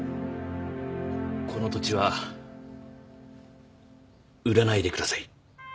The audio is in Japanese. この土地は売らないでください。